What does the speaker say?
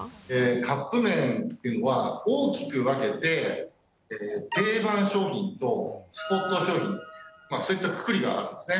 カップ麺というのは、大きく分けて、定番商品とスポット商品、そういったくくりがあるんですね。